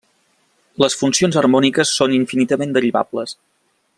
Les funcions harmòniques són infinitament derivables.